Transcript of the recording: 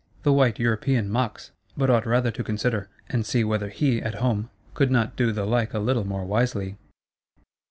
The white European mocks; but ought rather to consider; and see whether he, at home, could not do the like a little more wisely.